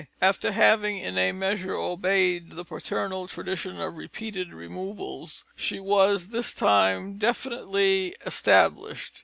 After having in a measure obeyed the paternal tradition of repeated removals, she was this time definitely established.